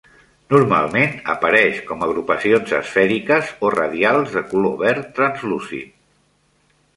Normalment apareix com agrupacions esfèriques o radials de color verd translúcid.